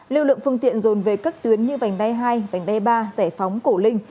lưu lượng phương tiện dồn về các tuyến như vành đai hai vành đai ba giải phóng cổ linh